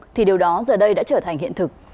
thì điều đó giờ đây đã trở thành hiện thực